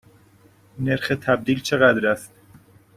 نرخ تبدیل چقدر است؟